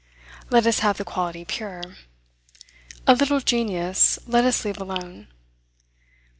Let us have the quality pure. A little genius let us leave alone.